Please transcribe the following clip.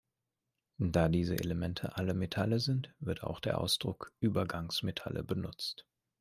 Da diese Elemente alle Metalle sind, wird auch der Ausdruck Übergangsmetalle benutzt.